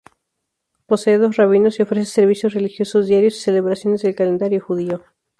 Posee dos rabinos y ofrece servicios religiosos diarios y celebraciones del calendario judío.